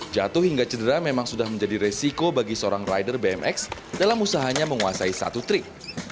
jatuh hingga cedera memang sudah menjadi resiko bagi seorang rider bmx dalam usahanya menguasai satu trik